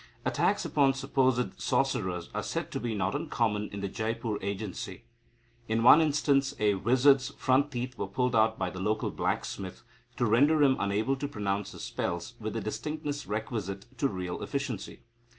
Attacks upon supposed sorcerers are said to be not uncommon in the Jeypore Agency. In one instance, a wizard's front teeth were pulled out by the local blacksmith, to render him unable to pronounce his spells with the distinctness requisite to real efficiency.